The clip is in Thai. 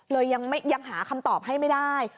เลยยังหาคำตอบให้ไม่ได้